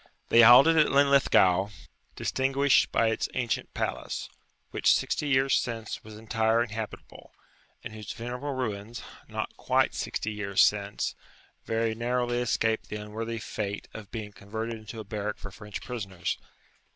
They halted at Linlithgow, distinguished by its ancient palace, which Sixty Years Since was entire and habitable, and whose venerable ruins, NOT QUITE SIXTY YEARS SINCE, very narrowly escaped the unworthy fate of being converted into a barrack for French prisoners.